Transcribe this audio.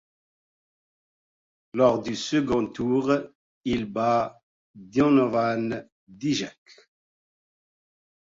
Lors du second tour, il bat Donovan Dijak.